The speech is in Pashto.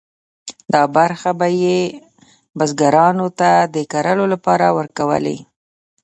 دا برخې به یې بزګرانو ته د کرلو لپاره ورکولې.